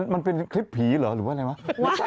มันเป็นคลิปผีเหรอหรือว่าอะไรวะ